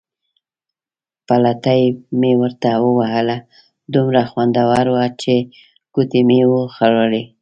پلتۍ مې ورته ووهله، دومره خوندوره وه چې ګوتې مې وې خوړلې.